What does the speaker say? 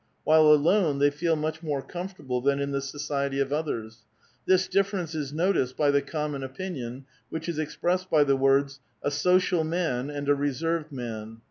While alone they feel much more comfortable than in the society of others. This differ ence is noticed by the common opinion, which is expressed by the words, * a social man and a resei'ved man.'